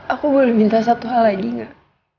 aku boleh minta satu hal lagi nggak